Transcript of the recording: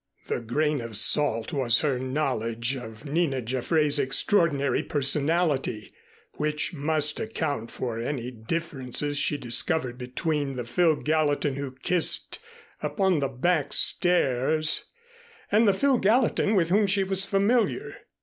The grain of salt was her knowledge of Nina Jaffray's extraordinary personality, which must account for any differences she discovered between the Phil Gallatin who kissed upon the back stairs and the Phil Gallatin with whom she was familiar.